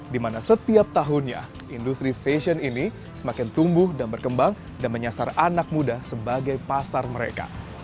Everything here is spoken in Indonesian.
dimana setiap tahunnya industri fashion ini semakin tumbuh dan berkembang dan menyasar anak muda sebagai pasar mereka